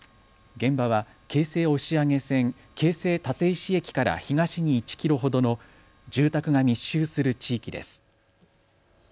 現場は京成押上線京成立石駅から東に１キロほどの住宅が密集する地域です。